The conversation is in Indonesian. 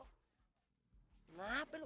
gak mau kemana lo